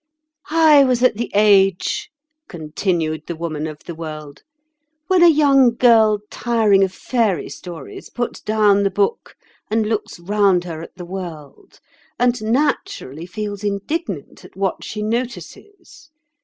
"I was at the age," continued the Woman of the World, "when a young girl tiring of fairy stories puts down the book and looks round her at the world, and naturally feels indignant at what she notices.